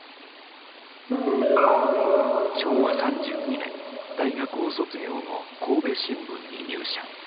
昭和３２年大学を卒業後神戸新聞に入社。